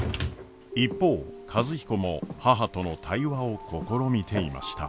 ・一方和彦も母との対話を試みていました。